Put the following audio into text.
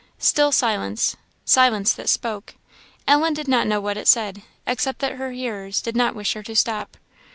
Still silence; "silence that spoke!" Ellen did not know what it said, except that her hearers did not wish her to stop.